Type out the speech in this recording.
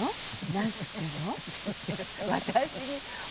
なんつってんの？」って言って私にものすごい。